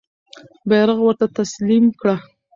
بیرغ ورته تسلیم کړه.